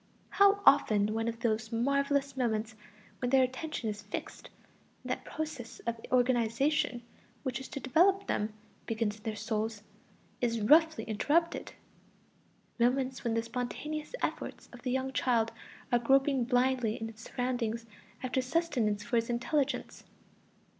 How often one of those marvelous moments when their attention is fixed, and that process of organization which is to develop them begins in their souls, is roughly interrupted; moments when the spontaneous efforts of the young child are groping blindly in its surroundings after sustenance for its intelligence.